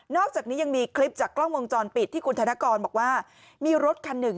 อกจากนี้ยังมีคลิปจากกล้องวงจรปิดที่คุณธนกรบอกว่ามีรถคันหนึ่ง